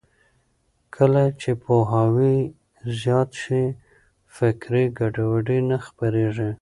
کله چې پوهاوی زیات شي، فکري ګډوډي نه خپرېږي.